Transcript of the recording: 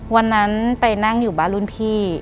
วันนั้นไปนั่งอยู่บ้านรุ่นพี่